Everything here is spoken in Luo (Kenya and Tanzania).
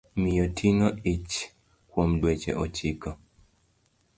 Miyo ting'o ich kuom dweche ochiko